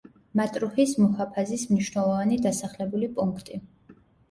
მატრუჰის მუჰაფაზის მნიშვნელოვანი დასახლებული პუნქტი.